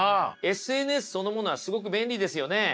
ＳＮＳそのものはすごく便利ですよね。